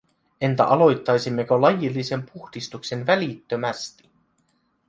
Entä aloittaisimmeko lajillisen puhdistuksen välittömästi?